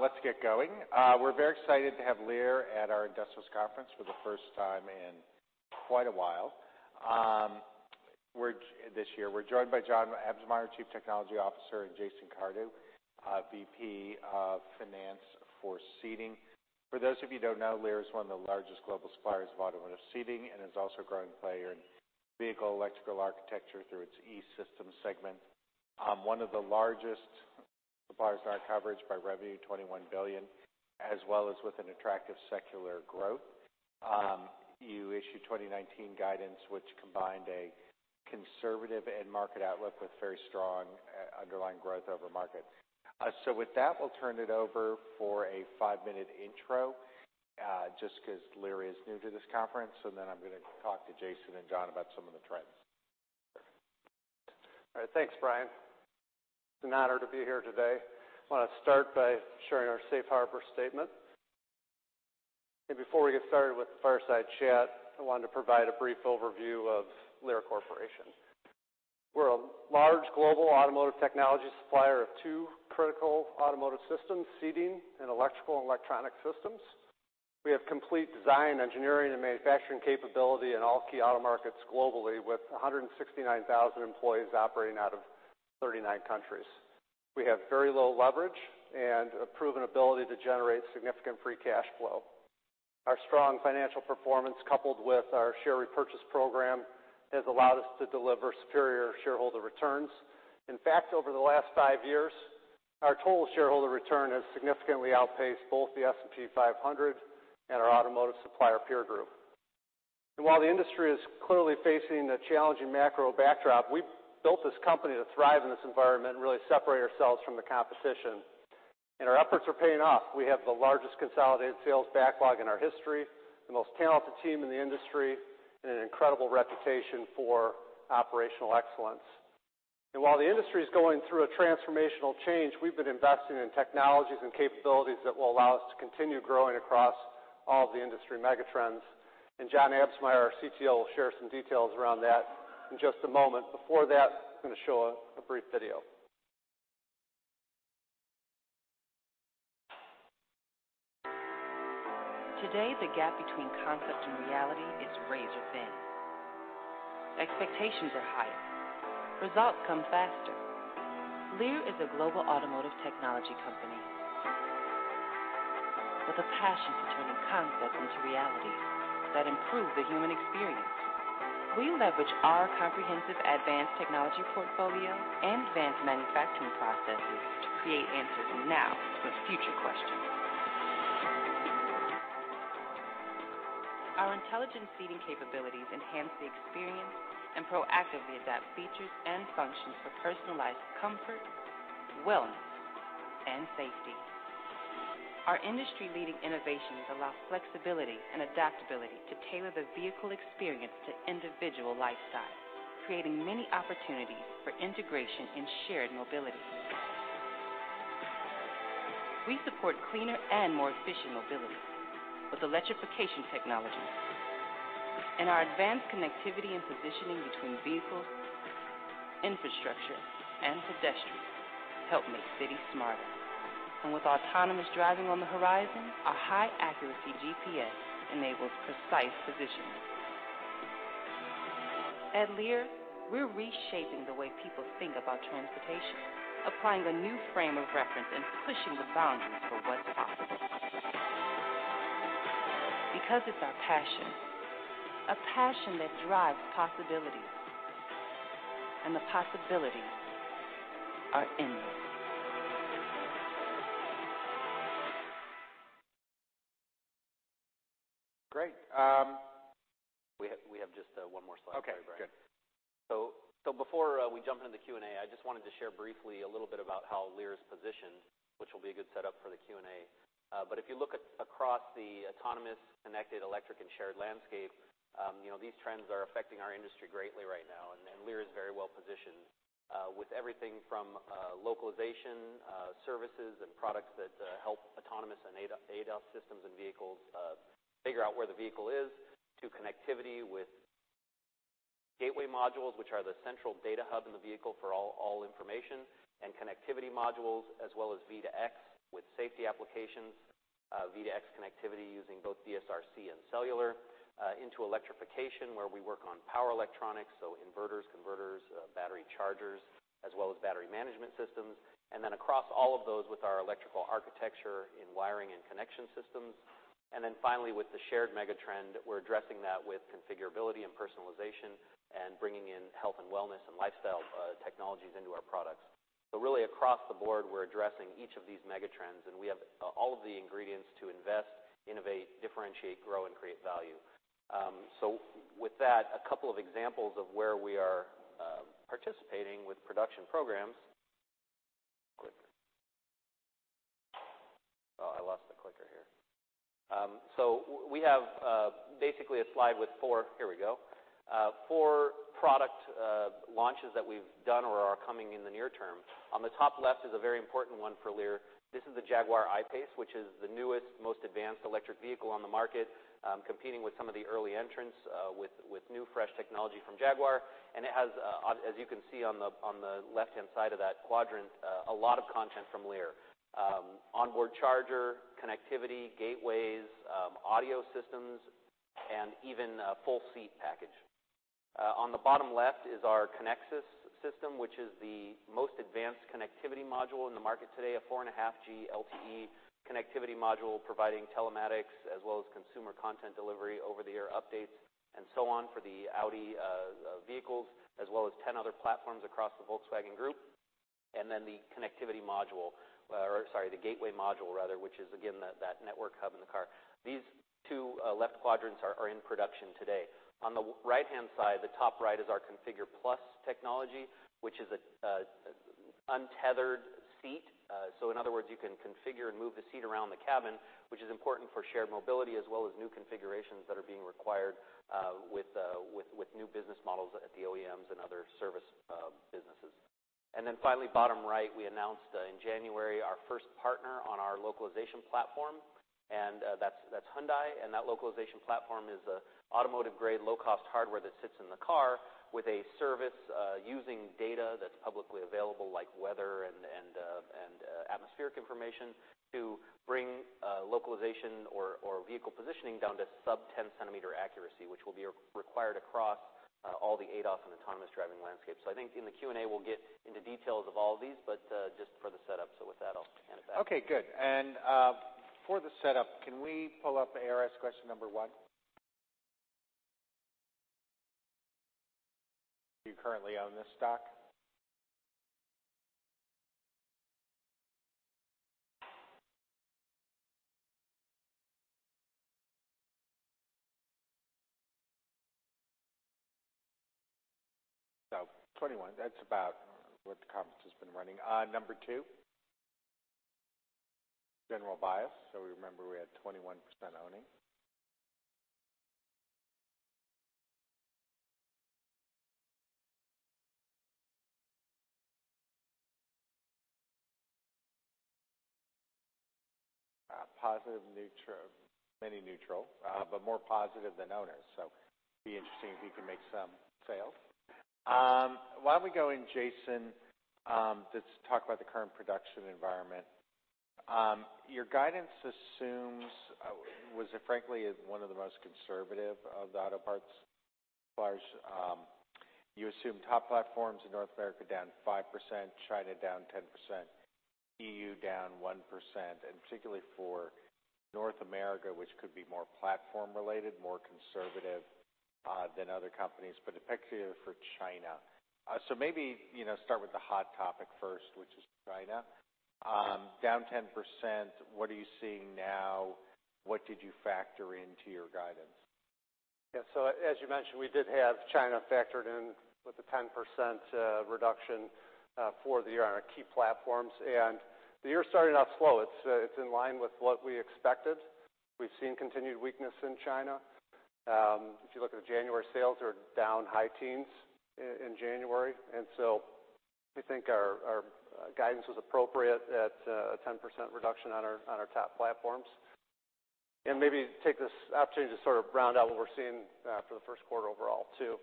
Let's get going. We're very excited to have Lear at our Industrial Conference for the first time in quite a while this year. We're joined by John Absmeier, Chief Technology Officer, and Jason Cardew, VP of Finance for Seating. For those of you who don't know, Lear is one of the largest global suppliers of automotive seating and is also a growing player in vehicle electrical architecture through its E-Systems segment. One of the largest suppliers in our coverage by revenue, $21 billion, as well as with an attractive secular growth. You issued 2019 guidance, which combined a conservative end market outlook with very strong underlying growth over market. With that, we'll turn it over for a five-minute intro, just because Lear is new to this conference, then I'm going to talk to Jason and John about some of the trends. All right. Thanks, Brian. It's an honor to be here today. I want to start by sharing our safe harbor statement. Before we get started with the fireside chat, I wanted to provide a brief overview of Lear Corporation. We're a large global automotive technology supplier of two critical automotive systems, seating and electrical and electronic systems. We have complete design, engineering, and manufacturing capability in all key auto markets globally with 169,000 employees operating out of 39 countries. We have very low leverage and a proven ability to generate significant free cash flow. Our strong financial performance, coupled with our share repurchase program, has allowed us to deliver superior shareholder returns. In fact, over the last five years, our total shareholder return has significantly outpaced both the S&P 500 and our automotive supplier peer group. While the industry is clearly facing a challenging macro backdrop, we've built this company to thrive in this environment and really separate ourselves from the competition. Our efforts are paying off. We have the largest consolidated sales backlog in our history, the most talented team in the industry, and an incredible reputation for operational excellence. While the industry is going through a transformational change, we've been investing in technologies and capabilities that will allow us to continue growing across all of the industry megatrends. John Absmeier, our CTO, will share some details around that in just a moment. Before that, I'm going to show a brief video. Today, the gap between concept and reality is razor-thin. Expectations are higher. Results come faster. Lear is a global automotive technology company with a passion for turning concepts into realities that improve the human experience. We leverage our comprehensive advanced technology portfolio and advanced manufacturing processes to create answers now for future questions. Our intelligent seating capabilities enhance the experience and proactively adapt features and functions for personalized comfort, wellness, and safety. Our industry-leading innovations allow flexibility and adaptability to tailor the vehicle experience to individual lifestyles, creating many opportunities for integration in shared mobility. We support cleaner and more efficient mobility with electrification technology. Our advanced connectivity and positioning between vehicles, infrastructure, and pedestrians help make cities smarter. With autonomous driving on the horizon, our high-accuracy GPS enables precise positioning. At Lear, we're reshaping the way people think about transportation, applying a new frame of reference and pushing the boundaries for what's possible. It's our passion, a passion that drives possibilities, the possibilities are endless. Great. We have just one more slide for you, Brian. Okay, good. Before we jump into the Q&A, I just wanted to share briefly a little bit about how Lear is positioned, which will be a good setup for the Q&A. If you look across the autonomous, connected, electric, and shared landscape, these trends are affecting our industry greatly right now, and Lear is very well-positioned. With everything from localization services and products that help autonomous and ADAS systems and vehicles figure out where the vehicle is, to connectivity with gateway modules, which are the central data hub in the vehicle for all information, and connectivity modules, as well as V2X with safety applications, V2X connectivity using both DSRC and cellular, into electrification where we work on power electronics, so inverters, converters, battery chargers, as well as battery management systems. Then across all of those with our electrical architecture in wiring and connection systems. Finally with the shared mega trend, we're addressing that with configurability and personalization and bringing in health and wellness and lifestyle technologies into our products. Really across the board, we're addressing each of these mega trends, and we have all of the ingredients to invest, innovate, differentiate, grow, and create value. With that, a couple of examples of where we are participating with production programs. Oh, I lost the clicker here. We have basically a slide with four product launches that we've done or are coming in the near term. On the top left is a very important one for Lear. This is the Jaguar I-PACE, which is the newest, most advanced electric vehicle on the market, competing with some of the early entrants with new, fresh technology from Jaguar. It has, as you can see on the left-hand side of that quadrant, a lot of content from Lear. Onboard charger, connectivity, gateways, audio systems Even a full seat package. On the bottom left is our ConnexUs system, which is the most advanced connectivity module in the market today, a 4.5G LTE connectivity module providing telematics as well as consumer content delivery, over-the-air updates, and so on for the Audi vehicles, as well as 10 other platforms across the Volkswagen Group. The gateway module, which is again that network hub in the car. These two left quadrants are in production today. On the right-hand side, the top right is our CONFIGUR+ technology, which is an untethered seat. In other words, you can configure and move the seat around the cabin, which is important for shared mobility as well as new configurations that are being required with new business models at the OEMs and other service businesses. Finally, bottom right, we announced in January our first partner on our localization platform, and that's Hyundai. That localization platform is an automotive-grade, low-cost hardware that sits in the car with a service using data that's publicly available, like weather and atmospheric information, to bring localization or vehicle positioning down to sub-10 centimeter accuracy, which will be required across all the ADAS and autonomous driving landscapes. I think in the Q&A, we'll get into details of all of these, but just for the setup. With that, I'll hand it back. Okay, good. For the setup, can we pull up ARS question number 1? "Do you currently own this stock?" 21. That's about what the conference has been running. Number 2. General bias. We remember we had 21% owning. Positive, neutral, many neutral, more positive than owners. It'd be interesting if he can make some sales. Why don't we go in, Jason, let's talk about the current production environment. Your guidance assumes, was frankly one of the most conservative of the auto parts suppliers. You assume top platforms in North America down 5%, China down 10%, EU down 1%, and particularly for North America, which could be more platform related, more conservative than other companies, but particularly for China. Maybe start with the hot topic first, which is China. Okay. Down 10%. What are you seeing now? What did you factor into your guidance? As you mentioned, we did have China factored in with a 10% reduction for the year on our key platforms. The year started out slow. It's in line with what we expected. We've seen continued weakness in China. If you look at the January sales are down high teens in January, we think our guidance was appropriate at a 10% reduction on our top platforms. Maybe take this opportunity to sort of round out what we're seeing for the first quarter overall too.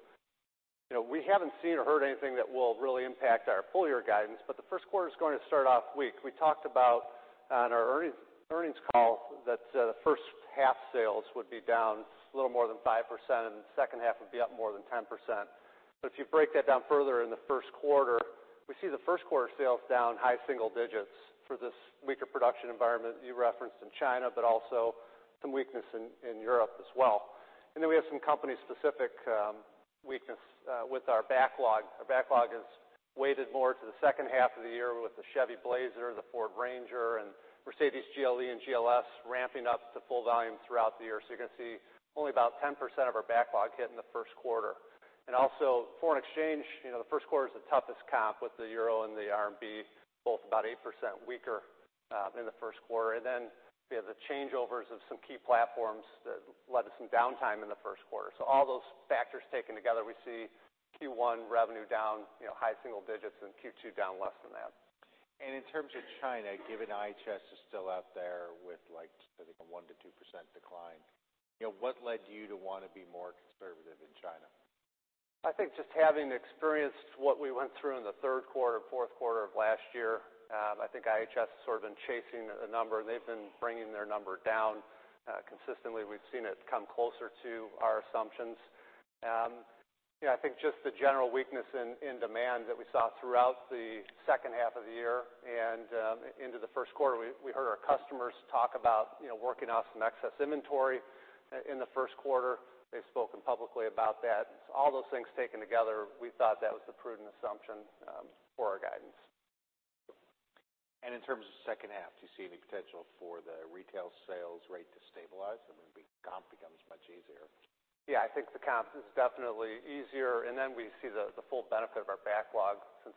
We haven't seen or heard anything that will really impact our full-year guidance, the first quarter's going to start off weak. We talked about on our earnings call that the first half sales would be down a little more than 5% and the second half would be up more than 10%. If you break that down further in the first quarter, we see the first quarter sales down high single digits for this weaker production environment that you referenced in China, but also some weakness in Europe as well. We have some company specific weakness with our backlog. Our backlog is weighted more to the second half of the year with the Chevrolet Blazer, the Ford Ranger, and Mercedes-Benz GLE and GLS ramping up to full volume throughout the year. You're going to see only about 10% of our backlog hit in the first quarter. Foreign exchange, the first quarter is the toughest comp with the euro and the RMB both about 8% weaker in the first quarter. We have the changeovers of some key platforms that led to some downtime in the first quarter. All those factors taken together, we see Q1 revenue down high single digits and Q2 down less than that. In terms of China, given IHS is still out there with a 1%-2% decline, what led you to want to be more conservative in China? I think just having experienced what we went through in the third quarter, fourth quarter of last year, I think IHS has sort of been chasing a number and they've been bringing their number down consistently. We've seen it come closer to our assumptions. I think just the general weakness in demand that we saw throughout the second half of the year and into the first quarter. We heard our customers talk about working off some excess inventory in the first quarter. They've spoken publicly about that. All those things taken together, we thought that was the prudent assumption for our guidance. In terms of second half, do you see any potential for the retail sales rate to stabilize and then the comp becomes much easier? Yeah, I think the comp is definitely easier and then we see the full benefit of our backlog since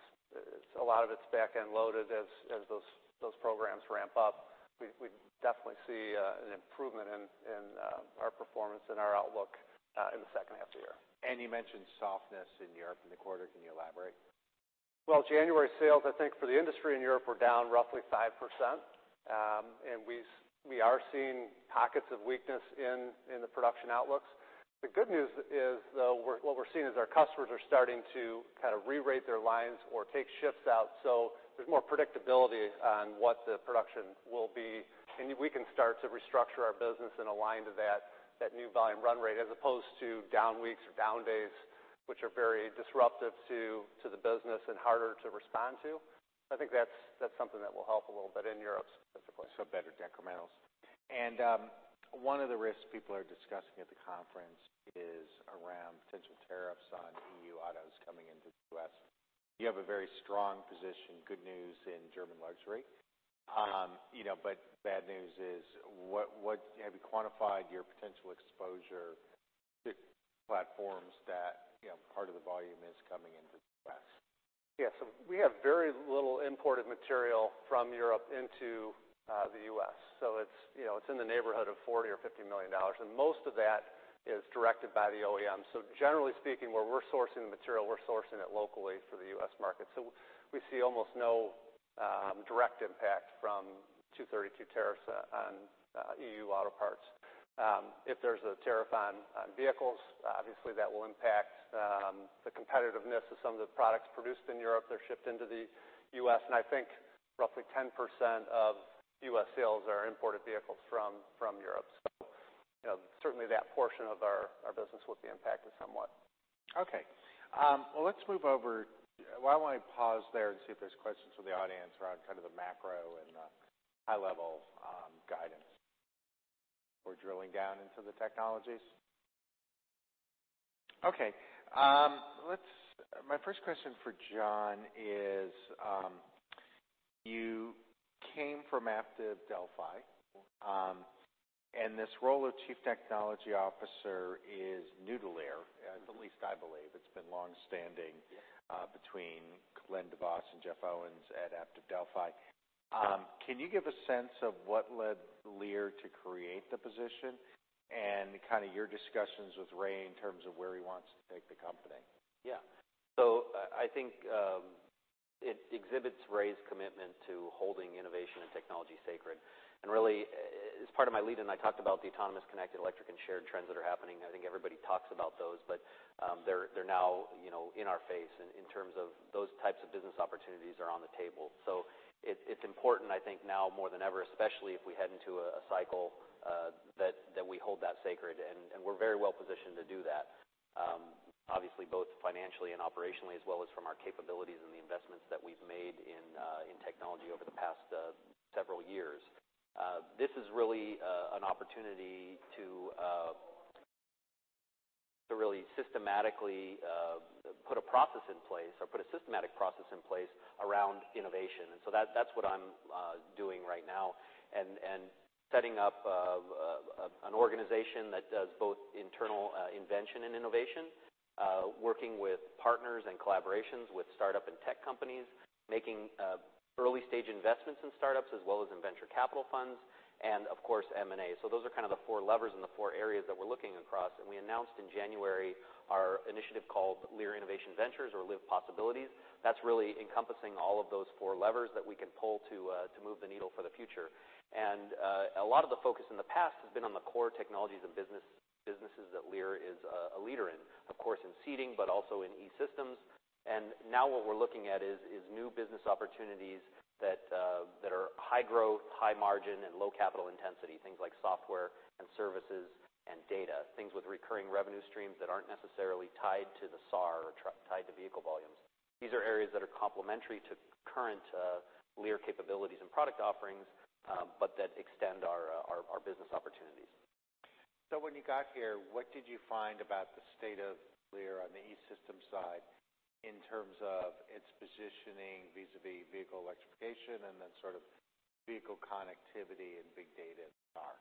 a lot of it's back end loaded as those programs ramp up. We definitely see an improvement in our performance and our outlook in the second half of the year. You mentioned softness in Europe in the quarter. Can you elaborate? Well, January sales, I think for the industry in Europe, were down roughly 5%. We are seeing pockets of weakness in the production outlooks. The good news is what we're seeing is our customers are starting to kind of rerate their lines or take shifts out, so there's more predictability on what the production will be, and we can start to restructure our business and align to that new volume run rate as opposed to down weeks or down days, which are very disruptive to the business and harder to respond to. I think that's something that will help a little bit in Europe specifically. Better decrementals. One of the risks people are discussing at the conference is around potential tariffs on EU autos coming into the U.S. You have a very strong position, good news in German luxury. Bad news is, have you quantified your potential exposure to platforms that part of the volume is coming into the U.S.? Yeah. We have very little imported material from Europe into the U.S. It's in the neighborhood of $40 or $50 million, and most of that is directed by the OEM. Generally speaking, where we're sourcing the material, we're sourcing it locally for the U.S. market. We see almost no direct impact from Section 232 tariffs on EU auto parts. If there's a tariff on vehicles, obviously that will impact the competitiveness of some of the products produced in Europe that are shipped into the U.S. I think roughly 10% of U.S. sales are imported vehicles from Europe. Certainly that portion of our business will be impacted somewhat. Okay. Well, let's move over. Why don't I pause there and see if there's questions from the audience around kind of the macro and the high-level guidance before drilling down into the technologies? Okay. My first question for John is, you came from Aptiv, and this role of Chief Technology Officer is new to Lear. At least I believe. It's been longstanding between Glen De Vos and Jeff Owens at Aptiv. Yeah. Can you give a sense of what led Lear to create the position and kind of your discussions with Ray in terms of where he wants to take the company? Yeah. I think it exhibits Ray's commitment to holding innovation and technology sacred. Really, as part of my lead-in, I talked about the autonomous, connected, electric, and shared trends that are happening. I think everybody talks about those, but they're now in our face in terms of those types of business opportunities are on the table. It's important, I think, now more than ever, especially if we head into a cycle, that we hold that sacred. We're very well-positioned to do that. Obviously both financially and operationally, as well as from our capabilities and the investments that we've made in technology over the past several years. This is really an opportunity to really systematically put a process in place or put a systematic process in place around innovation. That's what I'm doing right now and setting up an organization that does both internal invention and innovation, working with partners and collaborations with startup and tech companies, making early-stage investments in startups as well as in venture capital funds, and of course, M&A. Those are kind of the four levers and the four areas that we're looking across. We announced in January our initiative called Lear Innovation Ventures or LIV Possibilities. That's really encompassing all of those four levers that we can pull to move the needle for the future. A lot of the focus in the past has been on the core technologies and businesses that Lear is a leader in, of course, in seating, but also in E-Systems. Now what we're looking at is new business opportunities that are high growth, high margin, and low capital intensity, things like software and services and data, things with recurring revenue streams that aren't necessarily tied to the SAR or tied to vehicle volumes. These are areas that are complementary to current Lear capabilities and product offerings, but that extend our business opportunities. When you got here, what did you find about the state of Lear on the E-Systems side in terms of its positioning vis-à-vis vehicle electrification and then sort of vehicle connectivity and big data and SAR?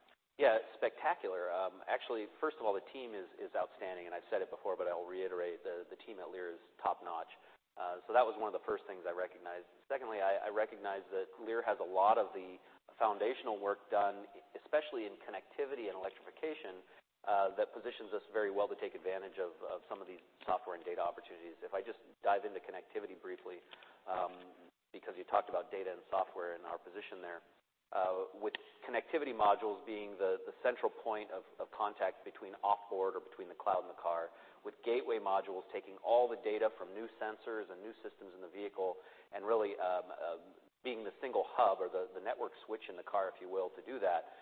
Yeah. Spectacular. Actually, first of all, the team is outstanding, and I've said it before, but I'll reiterate, the team at Lear is top-notch. That was one of the first things I recognized. Secondly, I recognized that Lear has a lot of the foundational work done, especially in connectivity and electrification, that positions us very well to take advantage of some of these software and data opportunities. If I just dive into connectivity briefly, because you talked about data and software and our position there. With connectivity modules being the central point of contact between off-board or between the cloud and the car, with gateway modules taking all the data from new sensors and new systems in the vehicle and really being the single hub or the network switch in the car, if you will, to do that,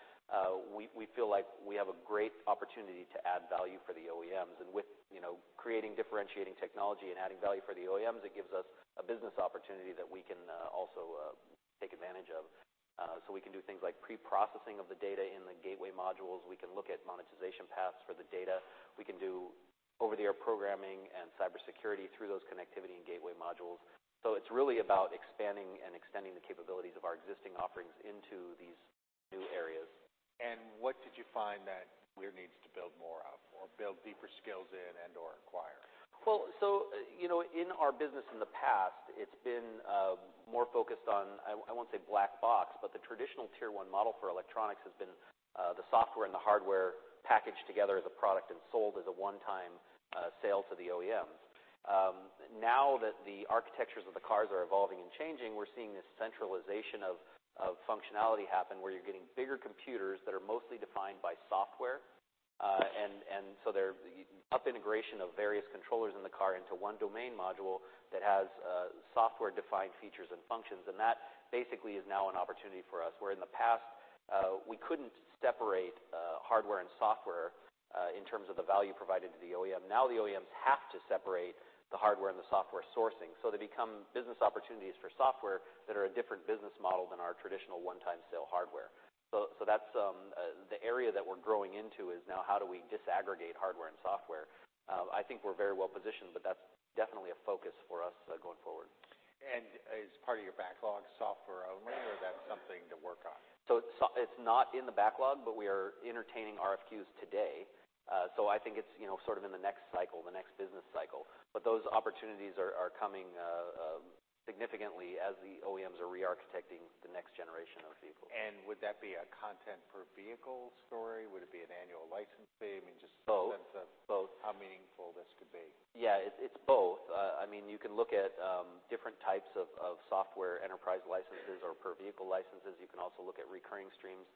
we feel like we have a great opportunity to add value for the OEMs. With creating differentiating technology and adding value for the OEMs, it gives us a business opportunity that we can also take advantage of. We can do things like pre-processing of the data in the gateway modules. We can look at monetization paths for the data. We can do over-the-air programming and cybersecurity through those connectivity and gateway modules. It's really about expanding and extending the capabilities of our existing offerings into these new areas. What did you find that Lear needs to build more of or build deeper skills in and/or acquire? Well, in our business in the past, it's been more focused on, I won't say black box, but the traditional Tier 1 model for electronics has been the software and the hardware packaged together as a product and sold as a one-time sale to the OEM. Now that the architectures of the cars are evolving and changing, we're seeing this centralization of functionality happen where you're getting bigger computers that are mostly defined by software. There's up integration of various controllers in the car into one domain module that has software-defined features and functions, and that basically is now an opportunity for us. Where in the past, we couldn't separate hardware and software in terms of the value provided to the OEM, now the OEMs have to separate the hardware and the software sourcing. They become business opportunities for software that are a different business model than our traditional one-time sale hardware. That's the area that we're growing into is now how do we disaggregate hardware and software? I think we're very well positioned, but that's definitely a focus for us going forward. Is part of your backlog software only, or that's something to work on? It's not in the backlog, but we are entertaining RFQs today. I think it's sort of in the next cycle, the next business cycle. Those opportunities are coming significantly as the OEMs are re-architecting the next generation of vehicles. Would that be a content per vehicle story? Would it be an annual license fee? I mean, Both a sense of how meaningful this could be. Yeah, it's both. You can look at different types of software enterprise licenses or per-vehicle licenses. You can also look at recurring streams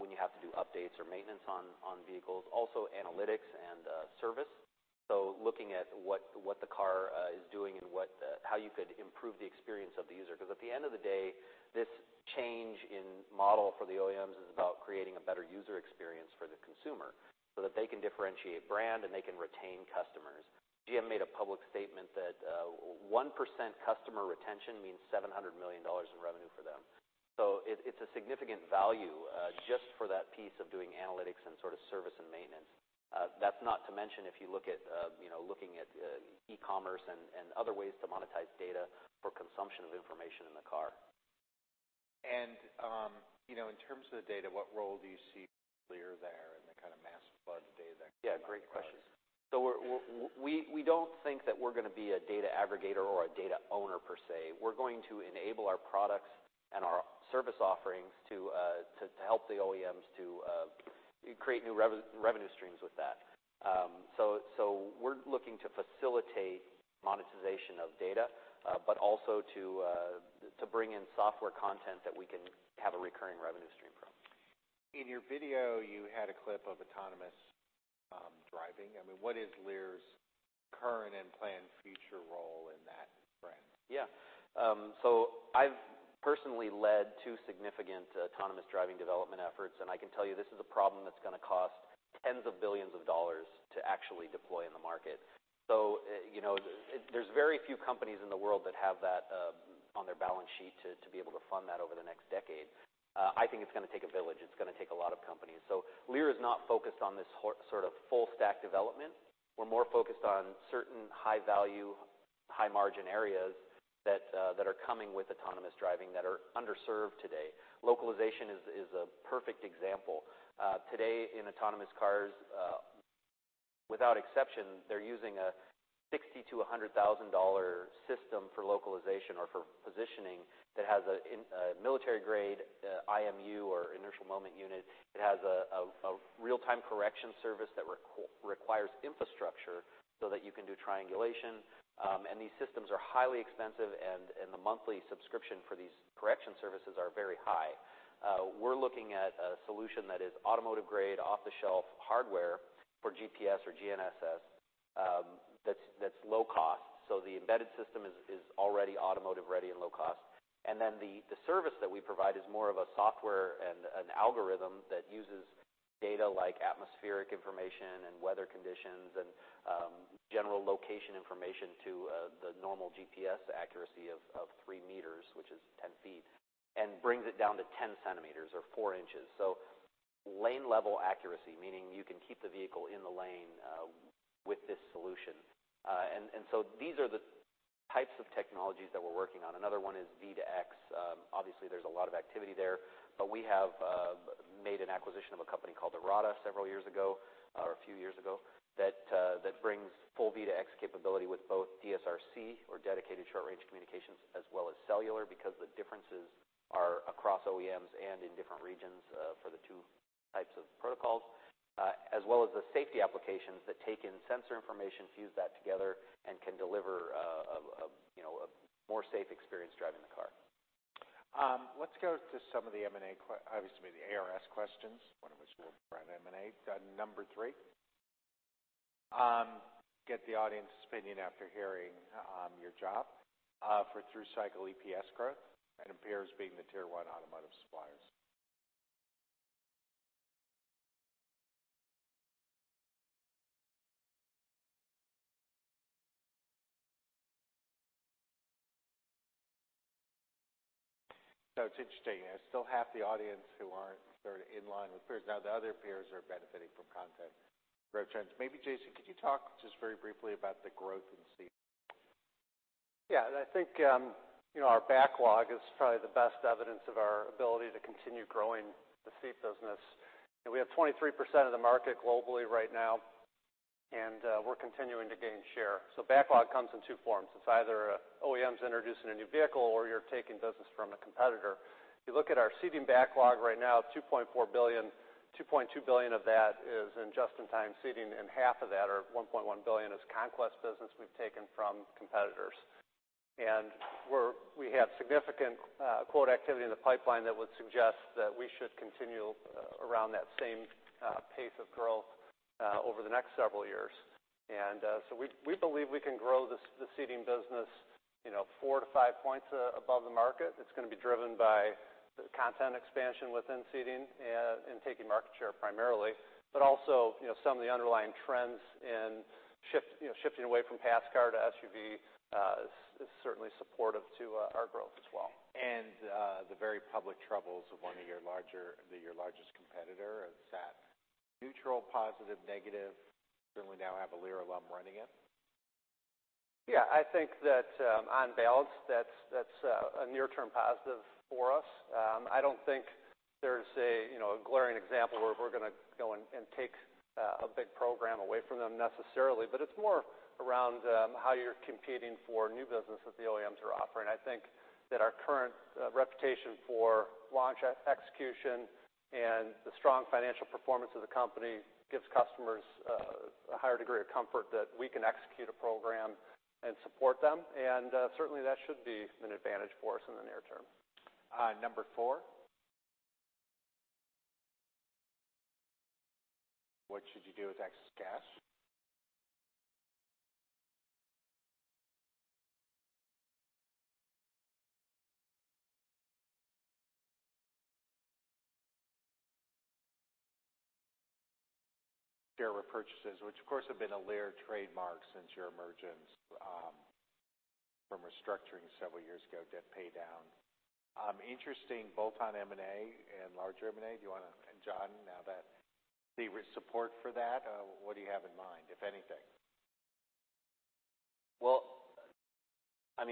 when you have to do updates or maintenance on vehicles. Also, analytics and service. Looking at what the car is doing and how you could improve the experience of the user because, at the end of the day, this change in model for the OEMs is about creating a better user experience for the consumer so that they can differentiate brand and they can retain customers. GM made a public statement that 1% customer retention means $700 million in revenue for them. It's a significant value just for that piece of doing analytics and sort of service and maintenance. That's not to mention if you look at e-commerce and other ways to monetize data for consumption of information in the car. In terms of the data, what role do you see Lear there in the kind of mass flood of data coming out of cars? Yeah, great question. We don't think that we're going to be a data aggregator or a data owner per se. We're going to enable our products and our service offerings to help the OEMs to create new revenue streams with that. We're looking to facilitate monetization of data, but also to bring in software content that we can have a recurring revenue stream from. In your video, you had a clip of autonomous driving. I mean, what is Lear's current and planned future role in that trend? Yeah. I've personally led two significant autonomous driving development efforts, and I can tell you this is a problem that's going to cost tens of billions of dollars to actually deploy in the market. There's very few companies in the world that have that on their balance sheet to be able to fund that over the next decade. I think it's going to take a village. It's going to take a lot of companies. Lear is not focused on this sort of full stack development. We're more focused on certain high-value, high-margin areas that are coming with autonomous driving that are underserved today. Localization is a perfect example. Today in autonomous cars, without exception, they're using a $60,000-$100,000 system for localization or for positioning that has a military-grade IMU or inertial measurement unit. It has a real-time correction service that requires infrastructure so that you can do triangulation. These systems are highly expensive, and the monthly subscription for these correction services are very high. We're looking at a solution that is automotive-grade, off-the-shelf hardware for GPS or GNSS that's low cost. The embedded system is already automotive-ready and low cost. Then the service that we provide is more of a software and an algorithm that uses data like atmospheric information and weather conditions and general location information to the normal GPS accuracy of three meters, which is 10 feet, and brings it down to 10 centimeters or four inches. Lane-level accuracy, meaning you can keep the vehicle in the lane with this solution. These are the types of technologies that we're working on. Another one is V2X. Obviously, there's a lot of activity there, we have made an acquisition of a company called Arada several years ago, or a few years ago, that brings full V2X capability with both DSRC or dedicated short-range communications as well as cellular because the differences are across OEMs and in different regions for the two types of protocols, as well as the safety applications that take in sensor information, fuse that together, and can deliver a more safe experience driving the car. Let's go to some of the M&A. Obviously, the ARS questions, one of which will drive M&A. Number 3, get the audience's opinion after hearing your job for through-cycle EPS growth and appears being the Tier 1 automotive suppliers. It's interesting. Still half the audience who aren't sort of in line with peers. The other peers are benefiting from content growth trends. Maybe Jason, could you talk just very briefly about the growth in seat? I think our backlog is probably the best evidence of our ability to continue growing the seat business. We have 23% of the market globally right now, and we're continuing to gain share. Backlog comes in 2 forms. It's either OEMs introducing a new vehicle, or you're taking business from a competitor. If you look at our seating backlog right now, $2.4 billion, $2.2 billion of that is in just-in-time seating, and half of that, or $1.1 billion, is conquest business we've taken from competitors. We have significant quote activity in the pipeline that would suggest that we should continue around that same pace of growth over the next several years. We believe we can grow the seating business 4 to 5 points above the market. It's going to be driven by the content expansion within seating and taking market share primarily, but also some of the underlying trends in shifting away from passenger car to SUV is certainly supportive to our growth as well. The very public troubles of one of your largest competitor, is that neutral, positive, negative, certainly now have a Lear alum running it? Yeah, I think that on balance, that's a near-term positive for us. I don't think there's a glaring example where we're going to go and take a big program away from them necessarily. It's more around how you're competing for new business that the OEMs are offering. I think that our current reputation for launch execution and the strong financial performance of the company gives customers a higher degree of comfort that we can execute a program and support them. Certainly that should be an advantage for us in the near term. Number 4. What should you do with excess cash? Share repurchases, which, of course, have been a Lear trademark since your emergence from restructuring several years ago, debt paydown. Interesting, bolt-on M&A and larger M&A. John, now that there is support for that, what do you have in mind, if anything? Well,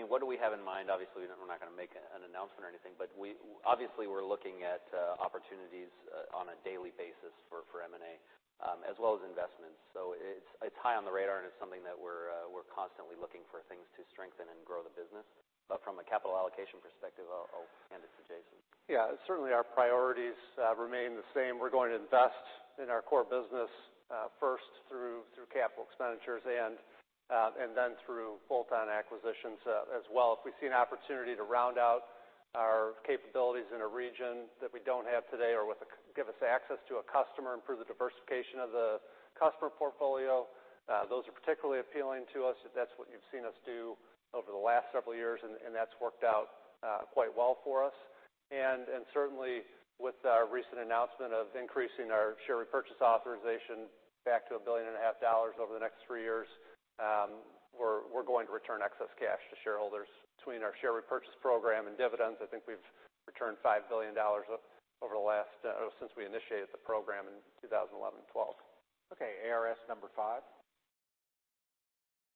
what do we have in mind? Obviously, we're not going to make an announcement or anything, obviously, we're looking at opportunities on a daily basis for M&A, as well as investments. It's high on the radar, and it's something that we're constantly looking for things to strengthen and grow the business. From a capital allocation perspective, I'll hand it to Jason. Yeah, certainly our priorities remain the same. We're going to invest in our core business first through capital expenditures and then through bolt-on acquisitions as well. If we see an opportunity to round out our capabilities in a region that we don't have today or give us access to a customer and prove the diversification of the customer portfolio, those are particularly appealing to us. That's what you've seen us do over the last several years, and that's worked out quite well for us. Certainly with our recent announcement of increasing our share repurchase authorization back to $1.5 billion over the next three years, we're going to return excess cash to shareholders. Between our share repurchase program and dividends, I think we've returned $5 billion since we initiated the program in 2011 and 2012. Okay, ARS number 5.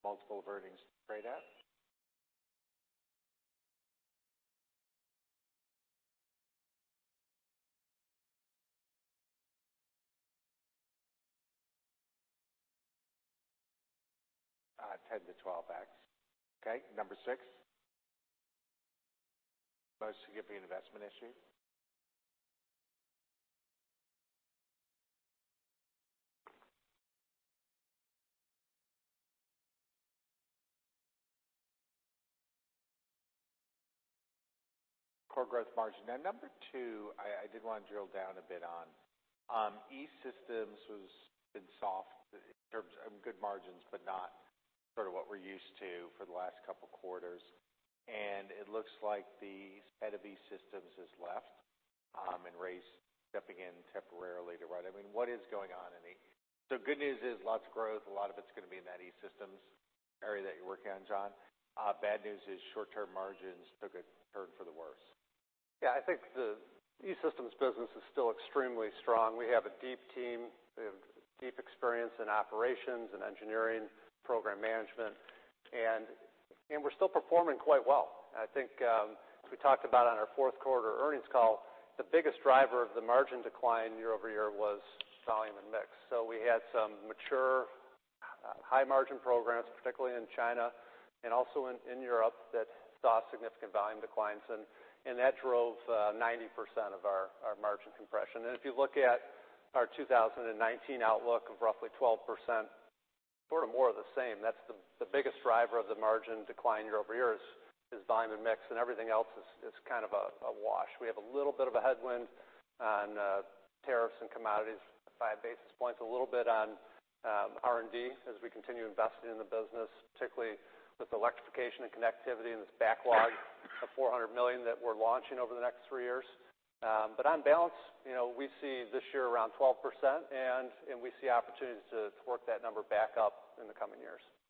Multiple of earnings trade at? 10x-12x. Okay, number 6. Most significant investment issue? Core growth margin. Number 2, I did want to drill down a bit on. E-Systems has been soft in terms of good margins, but not sort of what we're used to for the last couple of quarters. It looks like the head of E-Systems has left, and Ray's stepping in temporarily to right it. What is going on in E-Systems? Good news is lots of growth. A lot of it's going to be in that E-Systems area that you're working on, John. Bad news is short-term margins took a turn for the worse. Yeah, I think the E-Systems business is still extremely strong. We have a deep team. We have deep experience in operations and engineering, program management, and we're still performing quite well. I think as we talked about on our fourth quarter earnings call, the biggest driver of the margin decline year-over-year was volume and mix. We had some mature high-margin programs, particularly in China and also in Europe, that saw significant volume declines, and that drove 90% of our margin compression. If you look at our 2019 outlook of roughly 12%, sort of more of the same. That's the biggest driver of the margin decline year-over-year is volume and mix, and everything else is kind of a wash. We have a little bit of a headwind on tariffs and commodities, five basis points, a little bit on R&D as we continue investing in the business, particularly with electrification and connectivity and this backlog of $400 million that we're launching over the next three years. On balance, we see this year around 12%, and we see opportunities to work that number back up in the coming years.